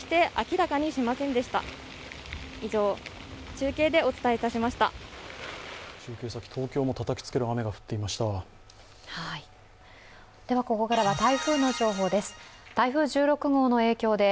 ここからは台風の情報です。